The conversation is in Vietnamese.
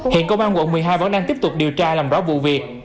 hiện công an quận một mươi hai vẫn đang tiếp tục điều tra làm rõ vụ việc